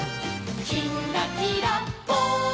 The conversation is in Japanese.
「きんらきらぽん」